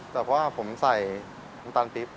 แต่พรั้งว่าผมใส่น้ำตาลปรีบ